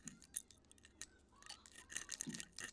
دا یوازې استبدادي بنسټونه نه وو چې مخه یې ډپ کړه.